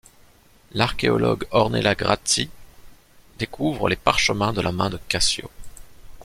L’archéologue Ornella Grazzi découvre des parchemins de la main de Cassio.